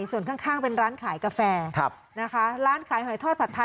ส่วนข้างเป็นร้านขายกาแฟนะคะร้านขายหอยทอดผัดไทย